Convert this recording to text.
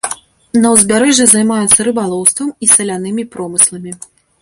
На ўзбярэжжы займаюцца рыбалоўствам і салянымі промысламі.